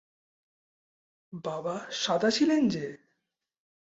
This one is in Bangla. বাবা সাদা ছিলেন যে।